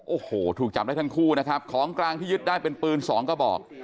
โอ้โหถูกจับได้ทั้งคู่นะครับของกลางที่ยึดได้เป็นปืนสองกระบอก